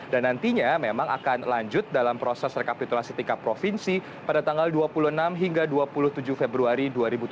dan nantinya memang akan lanjut dalam proses rekapitulasi tingkat provinsi pada tanggal dua puluh enam hingga dua puluh tujuh februari dua ribu tujuh belas